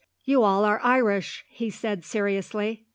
"You are all Irish," he said, seriously.